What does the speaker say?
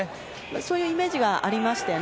そういうイメージはありましたよね。